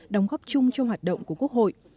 đóng góp chung cho hoạt động của quốc hội